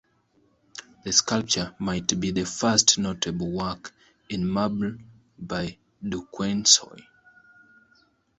The sculpture might be the first notable work in marble by Duquesnoy.